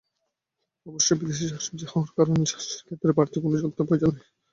অবশ্য বিদেশি শাকসবজি হওয়ার কারণে চাষের ক্ষেত্রে বাড়তি কোনো যত্নের প্রয়োজন নেই।